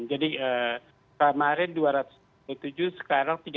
jadi kemarin dua ratus tujuh sekarang tiga ratus dua puluh tujuh